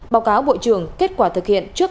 báo cáo bộ trưởng kết quả thực hiện trước